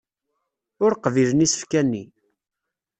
Ur qbilen isefka-nni.